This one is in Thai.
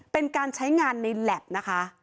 เป็นการใช้งานในแล็บนะคะ